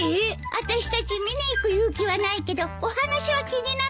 あたしたち見に行く勇気はないけどお話は気になるの。